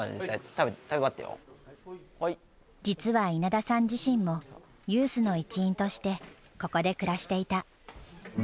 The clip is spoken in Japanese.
実は稲田さん自身もユースの一員としてここで暮らしていた。